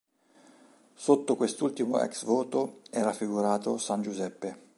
Sotto quest’ultimo “"ex voto”" è raffigurato San Giuseppe.